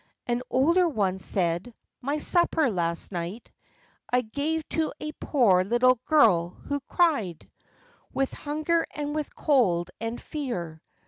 An older one said, "My supper last night I gave to a poor little girl, who cried With hunger and with cold and fear.